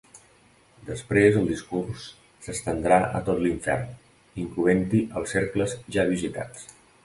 Després el discurs s'estendrà a tot l'Infern, incloent-hi els cercles ja visitats.